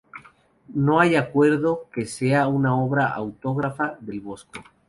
No hay acuerdo en que sea una obra autógrafa del Bosco.